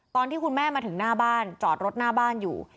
ตอนที่คุณแม่มาถึงหน้าบ้านจอดรถหน้าบ้านอยู่